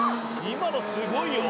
今のすごいよ。